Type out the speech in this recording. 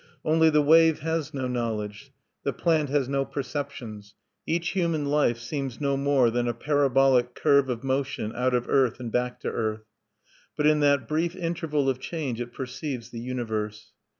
Only, the wave has no knowledge; the plant has no perceptions. Each human life seems no more than a parabolic curve of motion out of earth and back to earth; but in that brief interval of change it perceives the universe.